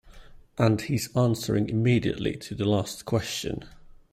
And his answering immediately to the last question.